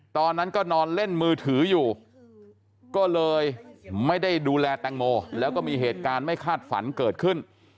ตอนนั้นก็นอนเล่นมือถืออยู่ก็เลยไม่ได้ดูแลแตงโมแล้วก็มีเหตุการณ์ไม่คาดฝันเกิดขึ้น